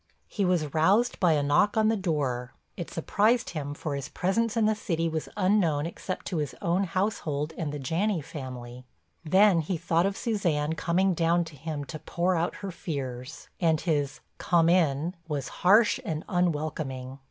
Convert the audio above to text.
He was roused by a knock on the door. It surprised him for his presence in the city was unknown except to his own household and the Janney family. Then he thought of Suzanne coming down to him to pour out her fears, and his "Come in" was harsh and unwelcoming.